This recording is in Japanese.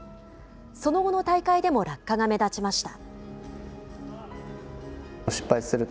その後の大会でも落下が目立ちました。